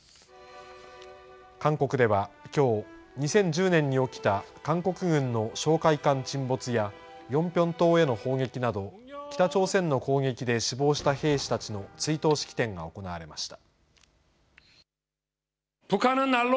韓国ではきょう、２０１０年に起きた韓国軍の哨戒艦沈没や、ヨンピョン島への砲撃など、北朝鮮の攻撃で死亡した兵士たちの追悼式典が行われました。